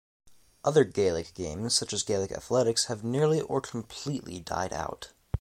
Other Gaelic games such as Gaelic athletics have nearly or completely died out.